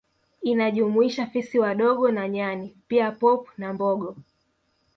Inajumuisha fisi wadogo na Nyani pia pop na mbogo